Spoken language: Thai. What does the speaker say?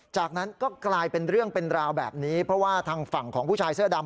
จากนั้นก็กลายเป็นเรื่องเป็นราวแบบนี้เพราะว่าทางฝั่งของผู้ชายเสื้อดำ